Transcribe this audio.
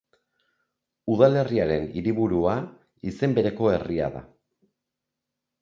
Udalerriaren hiriburua izen bereko herria da.